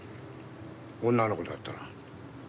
女の子だったら？